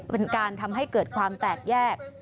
เป็นการทำให้เกิดความแตกแยก